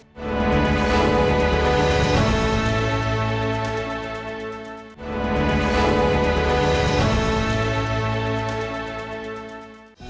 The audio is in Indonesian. terima kasih banyak dari lapas